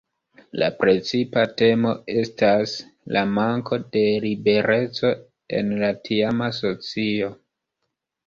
La precipa temo estas la manko de libereco en la tiama socio.